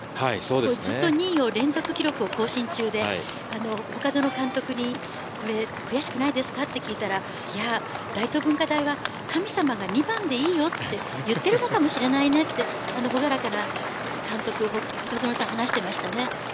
ずっと２位の連続記録を更新中で監督に悔しくないですかと聞いたら大東文化大は神様が２番でいいよと言っているのかもしれないねと朗らかな監督話していました。